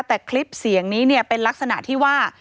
แต่คลิปเสียงนี้เนี่ยเป็นลักษณะที่ว่า